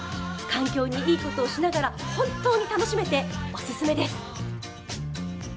環境にいいことをしながら、本当に楽しめてお勧めです。